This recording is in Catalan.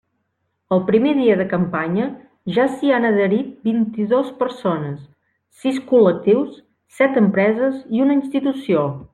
El primer dia de campanya ja s'hi han adherit vint-i-dos persones, sis col·lectius, set empreses i una institució.